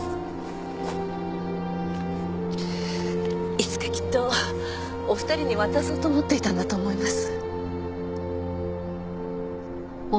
いつかきっとお二人に渡そうと思っていたんだと思います。